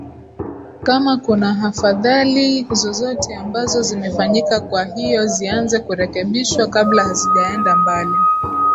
kama kunahafadhali zozote ambazo zimefanyika kwa hiyo zianze kurekebishwa kabla hazijaenda mbali